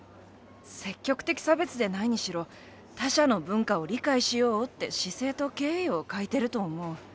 積極的差別でないにしろ他者の文化を理解しようって姿勢と敬意を欠いてると思う。